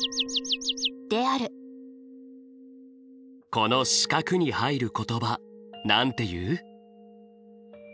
この四角に入る言葉なんて言う？